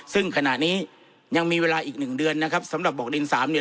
ซึ่งขณะนี้ยังมีเวลาอีกหนึ่งเดือนนะครับสำหรับบอกดินสามเนี่ย